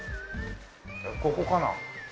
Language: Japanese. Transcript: ここかな？